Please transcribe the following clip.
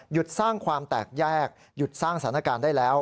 สร้างความแตกแยกหยุดสร้างสถานการณ์ได้แล้ว